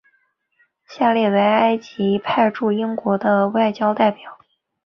下列为埃及派驻英国的外交代表。